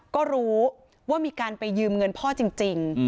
ก็รู้ว่ามีการไปยืมเงินพ่อจริง